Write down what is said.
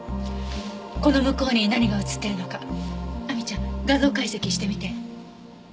この向こうに何が写ってるのか亜美ちゃん画像解析してみて。